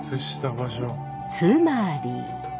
つまり。